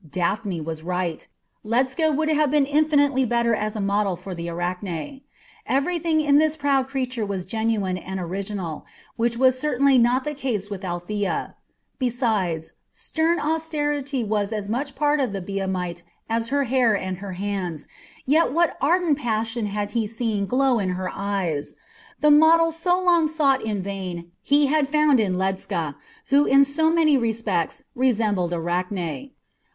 Daphne was right. Ledscha would have been infinitely better as a model for the Arachne. Everything in this proud creature was genuine and original, which was certainly not the case with Althea. Besides, stern austerity was as much a part of the Biamite as her hair and her hands, yet what ardent passion he had seen glow in her eyes! The model so long sought in vain he had found in Ledscha, who in so many respects resembled Arachne.